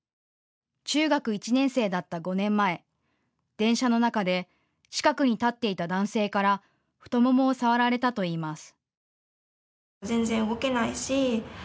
中学１年生だった５年前、電車の中で近くに立っていた男性から太ももを触られたといいます。